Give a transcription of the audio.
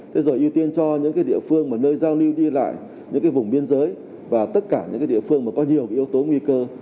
thế rồi ưu tiên cho những địa phương nơi giao lưu đi lại những vùng biên giới và tất cả những địa phương có nhiều yếu tố nguy cơ